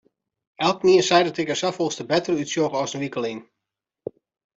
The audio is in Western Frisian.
Elkenien seit ek dat ik der safolleste better útsjoch as in wike lyn.